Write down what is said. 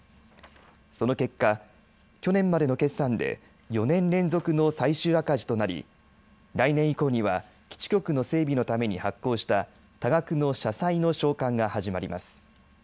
その結果去年までの決算で４年連続の最終赤字となり来年以降には基地局の整備のために発行した多額の社債の償還が始まります。